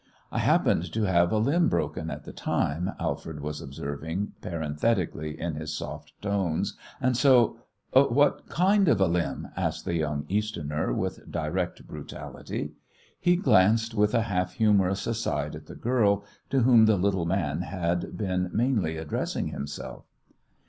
"I happened to have a limb broken at the time," Alfred was observing, parenthetically, in his soft tones, "and so " "What kind of a limb?" asked the young Easterner, with direct brutality. He glanced with a half humourous aside at the girl, to whom the little man had been mainly addressing himself.